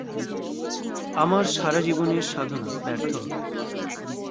আমার সারা জীবনের সাধনা ব্যর্থ হবে।